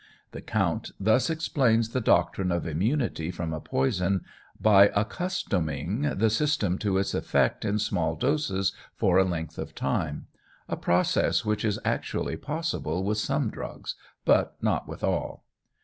The Count thus explains the doctrine of immunity from a poison, by accustoming the system to its effect in small doses for a length of time, a process which is actually possible with some drugs, but not with all.